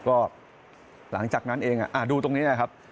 ก็หลังจากนั้นเองดูตรงนี้นะครับ